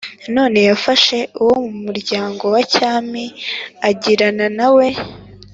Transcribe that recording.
d Nanone yafashe uwo mu rubyaro rwa cyami e agirana na we